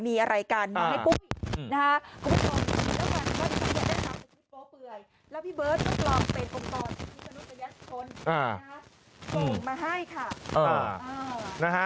มีอะไรกันมาให้ปุ้ยนะฮะพี่เบิร์ตกล่องเป็นกลมปลอดภัณฑ์ที่มิจฉาชีพคนส่งมาให้ค่ะ